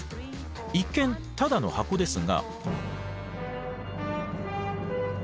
一見ただの箱ですが。